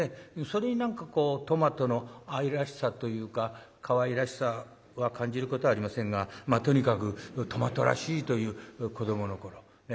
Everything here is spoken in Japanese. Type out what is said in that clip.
それに何かこうトマトの愛らしさというかかわいらしさは感じることはありませんがまあとにかくトマトらしいという子どもの頃。